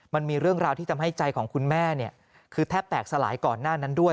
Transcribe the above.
มันมีเรื่องราวที่ทำให้ใจของคุณแม่คือแทบแตกสลายก่อนหน้านั้นด้วย